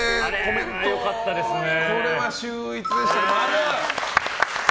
これは秀逸でしたね。